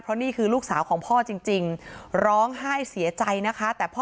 เพราะนี่คือลูกสาวของพ่อจริงร้องไห้เสียใจนะคะแต่พ่อ